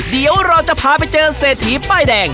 เดี๋ยวเราจะพาไปเจอเศรษฐีป้ายแดง